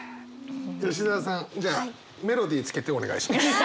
吉澤さんじゃあメロディーつけてお願いします。